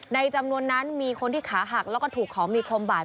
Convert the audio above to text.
จำนวนนั้นมีคนที่ขาหักแล้วก็ถูกของมีคมบาด